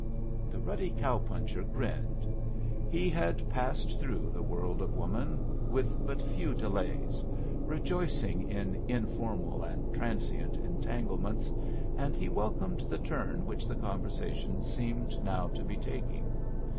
The ruddy cow puncher grinned. He had passed through the world of woman with but few delays, rejoicing in informal and transient entanglements, and he welcomed the turn which the conversation seemed now to be taking.